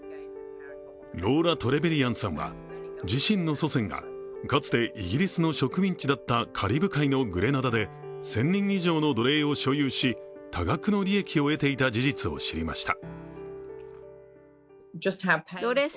ローラ・トレベリアンさんは、自身の祖先がかつてイギリスの植民地だったカリブ海のグレナダで１０００人以上の奴隷を所有し多額の利益を得ていた事実を知りました。